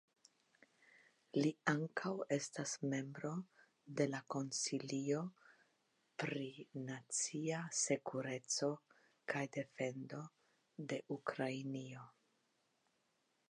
Li estas ankaŭ membro de la Konsilio pri nacia sekureco kaj defendo de Ukrainio.